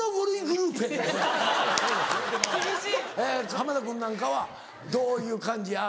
濱田君なんかはどういう感じや？